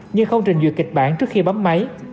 như không trình duyệt kịch bản trước khi bấm máy